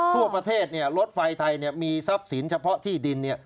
ทั่วประเทศรถไฟไทยมีทรัพย์สินเฉพาะที่ดิน